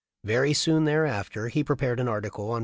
Very soon thereafter, he prepared an article on.